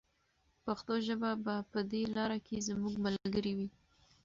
پښتو ژبه به په دې لاره کې زموږ ملګرې وي.